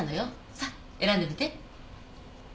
さあ選んでみて。